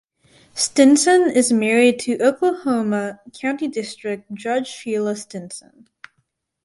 Stinson is married to Oklahoma County District Judge Sheila Stinson.